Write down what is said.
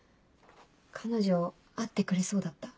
彼女会ってくれそうだった？